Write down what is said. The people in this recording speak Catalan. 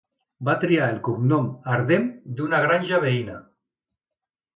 Va triar el cognom, "Arden", d'una granja veïna.